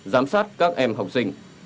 giám sát các em học sinh